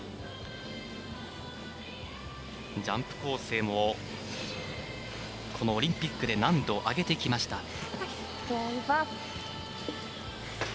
ジャンプ構成もこのオリンピックで難度を上げてきました。